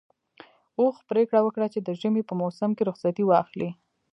اوښ پرېکړه وکړه چې د ژمي په موسم کې رخصتي واخلي.